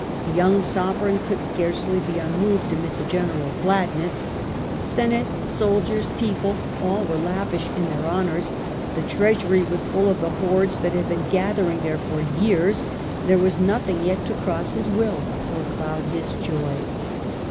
The young sovereign could scarcely be unmoved amid the general gladness. Senate, ^snerai soldiers, people, all were lavish in their ho gladness, nours ; the treasury was full of the hoards that had been gathering there for years ; there was nothing yet to cross his will or cloud his joy.